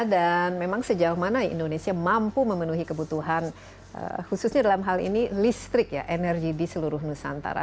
dan memang sejauh mana indonesia mampu memenuhi kebutuhan khususnya dalam hal ini listrik ya energi di seluruh nusantara